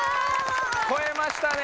こえましたね！